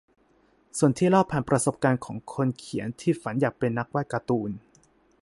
ชอบที่เล่าผ่านประสบการณ์ของคนเขียนที่ฝันอยากเป็นนักวาดการ์ตูน